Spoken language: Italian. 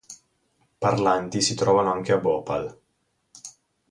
Parlanti si trovano anche a Bhopal.